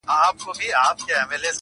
• د میرې څپېړه د اور لمبه ده -